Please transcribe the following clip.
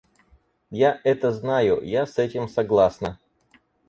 Я это знаю, я с этим согласна.